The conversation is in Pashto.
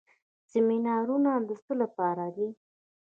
سیمینارونه د څه لپاره دي؟